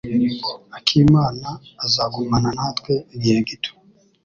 Akimana azagumana natwe igihe gito.